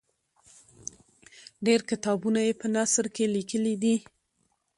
ډېر کتابونه یې په نثر کې لیکلي دي.